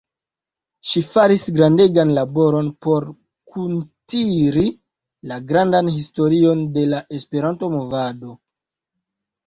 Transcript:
Ŝi faris grandegan laboron por kuntiri la grandan historion de la Esperanto-movado.